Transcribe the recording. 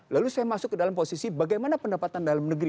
lalu saya masuk ke dalam posisi bagaimana pendapatan dalam negeri